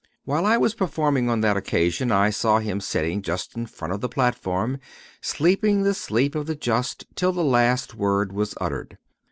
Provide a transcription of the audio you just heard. While I was performing on that occasion, I saw him sitting just in front of the platform, sleeping the sleep of the just till the last word was uttered.